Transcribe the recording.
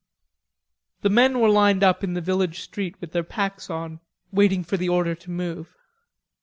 The men were lined up in the village street with their packs on, waiting for the order to move.